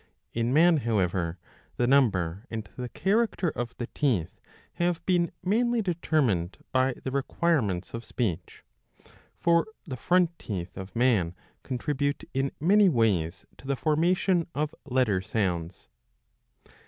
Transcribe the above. In man, however, the number and the character of the teeth have been mainly determined by the require ments of speech. For the front teeth of man contribute in many ways to the formation of letter sounds.